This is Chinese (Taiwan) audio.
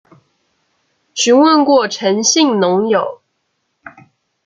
詢問過陳姓農友